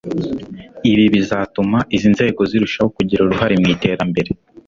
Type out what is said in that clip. ibi bizatuma izi nzego zirushaho kugira uruhare mu iterambere